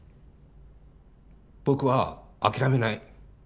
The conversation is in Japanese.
僕は諦めない。